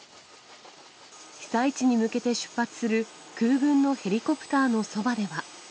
被災地に向けて出発する空軍のヘリコプターのそばでは。